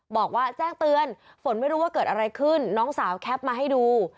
บอกว่าแจ้งเตือนฝนไม่รู้ว่าเกิดอะไรขึ้นน้องสาวแคปมาให้ดู